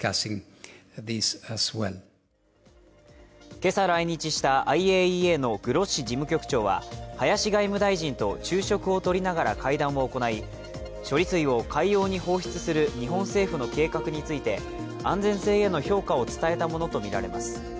今朝来日したＩＡＥＡのグロッシ事務局長は、林外務大臣と昼食をとりながら会談を行い、処理水を海洋に放出する日本政府の計画について安全性への評価を伝えたものとみられます。